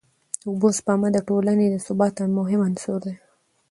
د اوبو سپما د ټولني د ثبات مهم عنصر دی.